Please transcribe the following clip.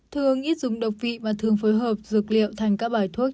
thường ít dùng độc vị và thường phối hợp dược liệu thành các bài thuốc